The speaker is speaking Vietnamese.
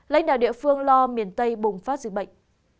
lãnh đạo địa phương lo miền tây bùng phát dịch bệnh